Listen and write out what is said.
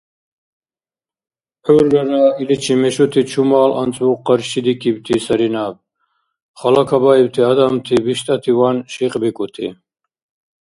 ГӀуррара иличи мешути чумал анцӀбукь къаршидикибти сари наб, халакабаибти адамти биштӀативан шикьбикӀути.